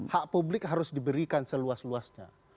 hak publik harus diberikan seluas luasnya